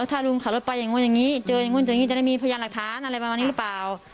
ถ้ารุงขาดล็อตไปอย่างงนท์อย่างงงนท์จะได้มีพณฑ์ฤทธิ์หรือเปล่า